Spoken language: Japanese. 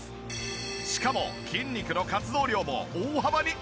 しかも筋肉の活動量も大幅にアップ。